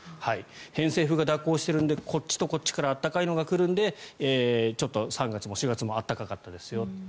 偏西風が蛇行しているのでこっちとこっちから暖かいのが来るのでちょっと３月も４月も暖かかったですよと。